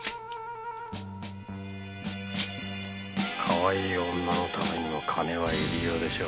かわいい女のためにも金は入り用でしょう。